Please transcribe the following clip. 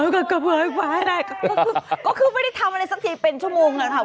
ก็คือไม่ได้ทำอะไรซักทีเป็นชั่วโมงหน่ะครับ